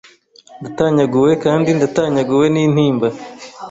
Ndatanyaguwe kandi ndatanyaguwe nintimba